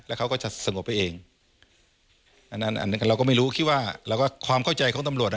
แล้วเขาก็จะสงบไปเองอันนั้นอันนั้นเราก็ไม่รู้คิดว่าแล้วก็ความเข้าใจของตำรวจ